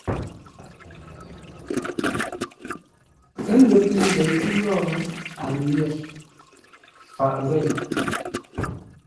Ə́ lə pəi ndeitə́ yórə́, a nyêr faʼ zêi.